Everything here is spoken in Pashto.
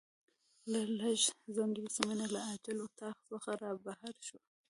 له لږ ځنډ وروسته مينه له عاجل اتاق څخه رابهر شوه.